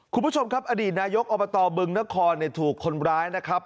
คุณผู้ชมครับอดีตนายกอบตบึงนครถูกคนร้ายนะครับ